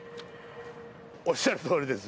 おっしゃるとおりです。